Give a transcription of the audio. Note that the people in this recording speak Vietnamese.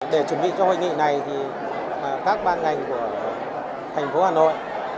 để chuẩn bị cho hội nghị này các ban ngành của thành phố hà nội